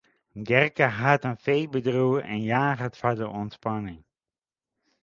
Gerke hat in feebedriuw en jaget foar de ûntspanning.